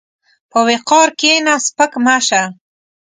په وقار کښېنه، سپک مه شه.